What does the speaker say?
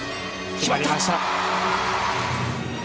決まりました。